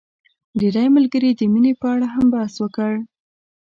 ډېری ملګرو د مينې په اړه هم بحث وکړ.